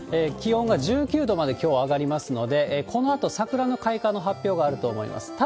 気温が１９度まできょうは上がりますので、このあと桜の開花の発表があると思います。